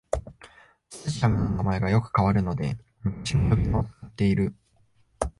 スタジアムの名前がよく変わるので昔の呼び名を使ってる